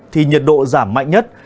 thì nhiệt độ giảm mạnh nhất